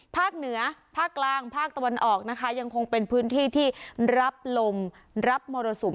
ภาคเหนือภาคกลางภาคตะวันออกนะคะยังคงเป็นพื้นที่ที่รับลมรับมรสุม